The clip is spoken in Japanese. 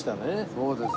そうです。